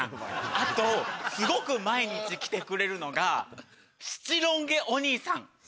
あとすごく毎日来てくれるのが七ロン毛お兄さん。